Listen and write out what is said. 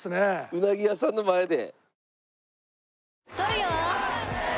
うなぎ屋さんの前で。